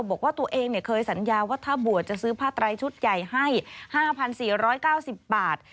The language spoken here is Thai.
บอกว่าตัวเองเคยสัญญาว่าถ้าบวชจะซื้อผ้าไตรชุดใหญ่ให้๕๔๙๐บาท